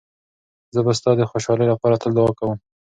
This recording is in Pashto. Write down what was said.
زه به ستا د خوشحالۍ لپاره تل دعا کوم.